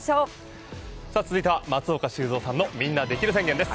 続いては松岡修造さんのみんなできる宣言です。